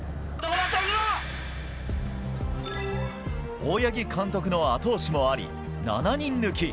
大八木監督の後押しもあり７人抜き。